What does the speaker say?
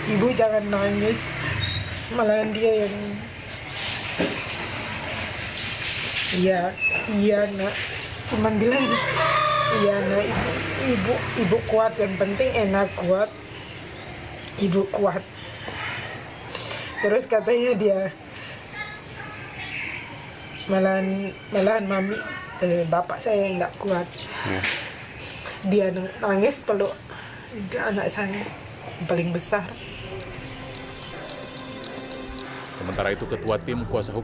ia mengaku lega saat presiden menyampaikan pernyataan penyebaran konten berkata